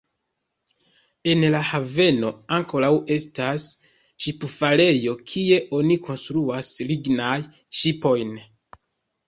En la haveno ankoraŭ estas ŝipfarejo kie oni konstruas lignajn ŝipojn.